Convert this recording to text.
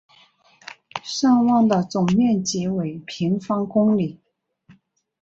尚旺的总面积为平方公里。